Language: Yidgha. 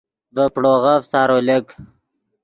ڤے پڑوغف سارو لک